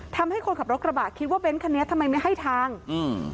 ทำให้คนขับรถกระบะคิดว่าเน้นคันนี้ทำไมไม่ให้ทางอืม